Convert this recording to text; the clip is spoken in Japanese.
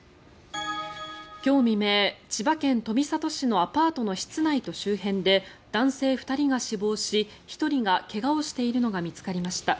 今日未明、千葉県富里市のアパートの室内と周辺で男性２人が死亡し１人が怪我をしているのが見つかりました。